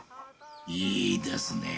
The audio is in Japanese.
いいですねえ。